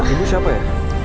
ibu siapa ya